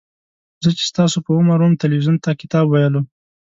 زه چې ستاسو په عمر وم تلویزیون ته کتاب ویلو.